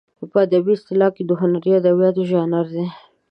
په ادبي اصطلاح د هنري ادبیاتو ژانر دی.